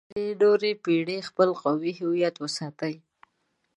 ډېرې نورې پېړۍ خپل قومي هویت وساتئ.